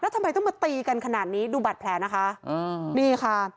แล้วทำไมต้องมาตีกันขนาดนี้ดูบัตรแพร่นะคะอันนี้ค่ะ